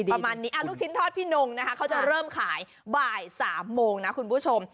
ประมาณนี้ลูกชิ้นทอดพี่นงนะคะเขาจะเริ่มขายบ่าย๓โมงนะคุณผู้ชม